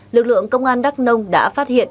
lực lượng công an đắk long đã phát hiện